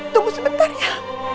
tunggu sebentar ya